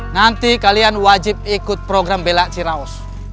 nanti kalian wajib ikut program bela ciraus